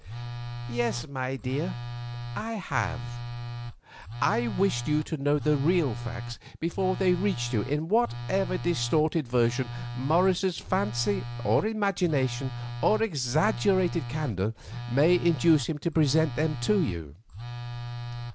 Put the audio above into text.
"Yes, my dear, I have. I wished you to know the real facts before they reached you in whatever distorted version Morris's fancy or imagination, or exaggerated candour, may induce him to present them to you.